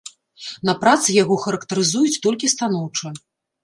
На працы яго характарызуюць толькі станоўча.